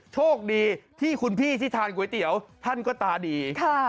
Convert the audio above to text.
โชคดีที่คุณพี่ที่ทานก๋วยเตี๋ยวท่านก็ตาดี